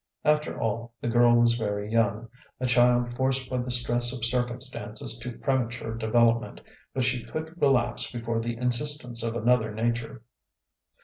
After all, the girl was very young, a child forced by the stress of circumstances to premature development, but she could relapse before the insistence of another nature.